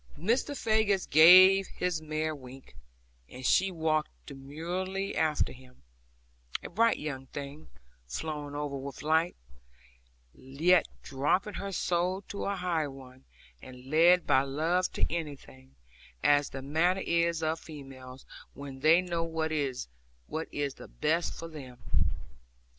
Mr. Faggus gave his mare a wink, and she walked demurely after him, a bright young thing, flowing over with life, yet dropping her soul to a higher one, and led by love to anything; as the manner is of females, when they know what is the best for them.